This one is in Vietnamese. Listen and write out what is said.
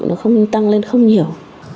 nó không tăng lên không nhiều